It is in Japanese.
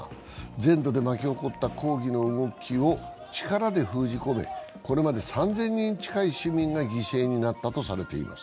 全土で巻き起こった抗議の動きを力で封じ込め、これまで３０００人近い市民が犠牲になったとされています。